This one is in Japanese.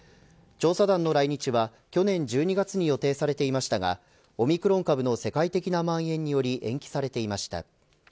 調査団の来日は去年１２月に予定されていましたがオミクロン株の世界的なまん延により延期されていました。